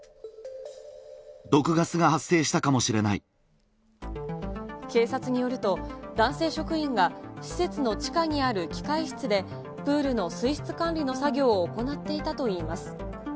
毒ガスが発生したかもしれな警察によると、男性職員が施設の地下にある機械室で、プールの水質管理の作業を行っていたといいます。